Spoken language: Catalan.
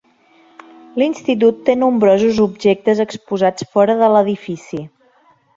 L'institut té nombrosos objectes exposats fora de l'edifici.